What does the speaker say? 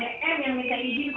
lagunya boleh gak dipakai